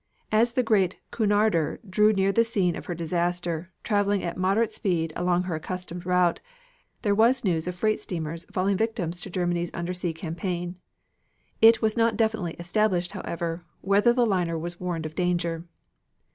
As the great Cunarder drew near the scene of her disaster, traveling at moderate speed along her accustomed route, there was news of freight steamers falling victims to Germany's undersea campaign. It was not definitely established, however, whether the liner was warned of danger.